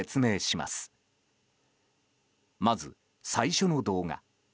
まず最初の動画。